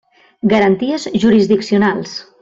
Garanties jurisdiccionals.